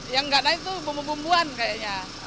yang nggak naik itu bumbu bumbuan kayaknya